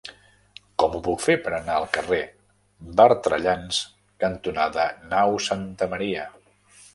Com ho puc fer per anar al carrer Bertrellans cantonada Nau Santa Maria?